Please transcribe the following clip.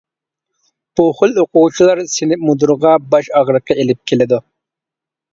بۇ خىل ئوقۇغۇچىلار سىنىپ مۇدىرىغا باش ئاغرىقى ئېلىپ كېلىدۇ.